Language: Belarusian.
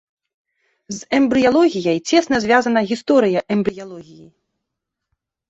З эмбрыялогіяй цесна звязана гісторыя эмбрыялогіі.